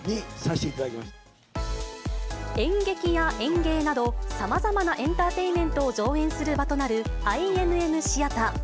演劇や演芸など、さまざまなエンターテインメントを上演する場となるＩＭＭシアター。